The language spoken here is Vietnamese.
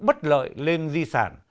bất lợi lên di sản